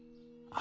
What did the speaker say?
あ。